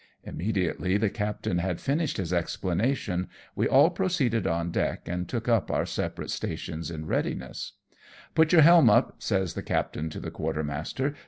Inmiediately the captain had finished his explana tion, we all proceeded on deck and took up our separate stations in readiness. D 2 36 AMONG TYPHOONS AND PIRATE CRAFT. " Put your helm up," says the captain to the quartermaster.